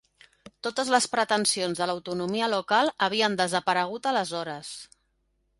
Totes les pretensions de l'autonomia local havien desaparegut aleshores.